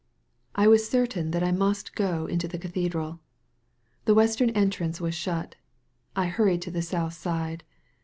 I was certain that I must go mto the cathedral. The western entrance was shut. I hurried to the south side.